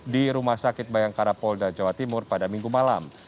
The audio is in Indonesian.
di rumah sakit bayangkara polda jawa timur pada minggu malam